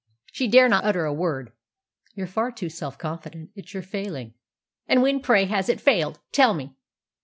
"She dare not utter a word." "You're far too self confident. It is your failing." "And when, pray, has it failed? Tell me."